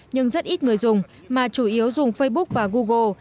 nhưng rất ít người dùng mà chủ yếu dùng facebook và google